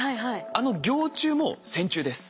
あのぎょう虫も線虫です。